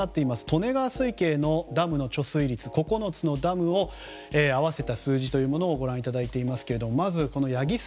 利根川水系のダムの貯水率９つのダムを合わせた数字をご覧いただいていますがまず、矢木沢